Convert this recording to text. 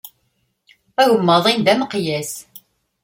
Agemmaḍ-in d ameqyas.